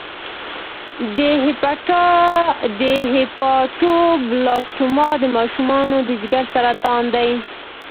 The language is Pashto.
د هیپاټوبلاسټوما د ماشومانو د ځګر سرطان دی.